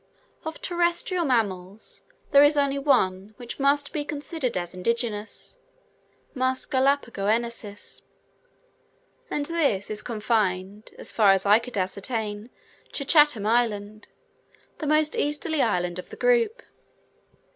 Of terrestrial mammals, there is only one which must be considered as indigenous, namely, a mouse (Mus Galapagoensis), and this is confined, as far as I could ascertain, to Chatham Island, the most easterly island of the group.